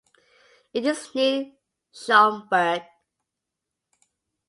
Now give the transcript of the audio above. It is near Schomberg.